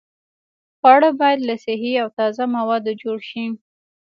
خواړه باید له صحي او تازه موادو جوړ شي.